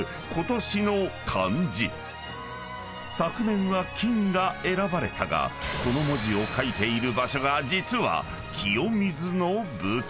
［昨年は「金」が選ばれたがこの文字を書いている］